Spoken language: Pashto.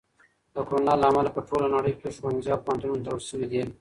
د کرونا له امله په ټوله نړۍ کې ښوونځي او پوهنتونونه تړل شوي دي.